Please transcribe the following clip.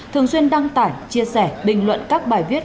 thường xuyên đăng tải chia sẻ bình luận các bài viết